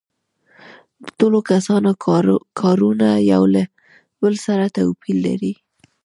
د ټولو کسانو کارونه یو له بل سره توپیر لري